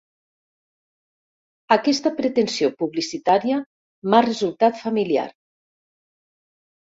Aquesta pretensió publicitària m'ha resultat familiar.